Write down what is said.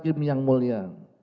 majelis hakim yang mulia